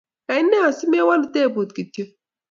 kaine asimewalu tebut kityo?